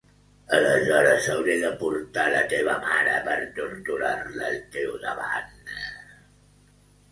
Aleshores, hauré de portar la teva mare per torturar-la al teu davant.